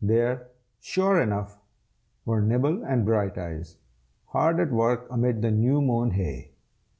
There, sure enough, were Nibble and Brighteyes, hard at work amid the new mown hay.